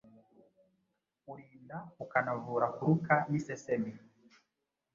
urinda ukanavura kuruka n’isesemi